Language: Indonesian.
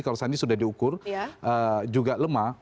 kalau sandi sudah diukur juga lemah